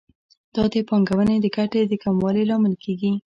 دا د پانګونې د ګټې د کموالي لامل کیږي.